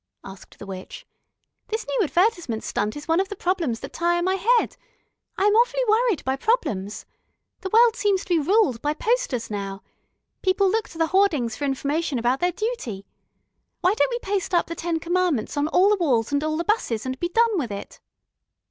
asked the witch. "This new advertisement stunt is one of the problems that tire my head. I am awfully worried by problems. The world seems to be ruled by posters now. People look to the hoardings for information about their duty. Why don't we paste up the ten commandments on all the walls and all the 'buses, and be done with it?"